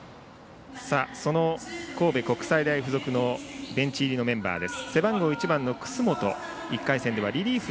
その神戸国際大付属のベンチ入りのメンバーです。